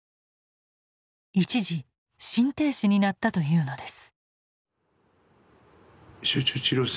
一時心停止になったというのです。